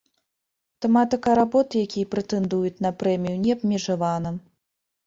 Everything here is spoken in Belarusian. Тэматыка работ, якія прэтэндуюць на прэмію, не абмежавана.